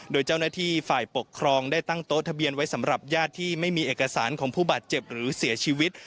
โดยเจ้าหน้าที่ฝ่ายปกครองได้ตั้งโต๊ะทะเบียนไว้สำหรับญาติที่ไม่มีเอกสารของผู้บาดเจ็บหรือเสียชีวิต